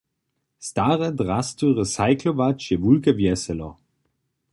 Stare drasty recyclować je wulke wjeselo.